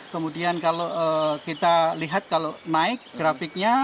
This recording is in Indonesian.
kemudian kalau kita lihat kalau naik grafiknya